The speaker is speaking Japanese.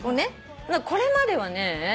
これまではね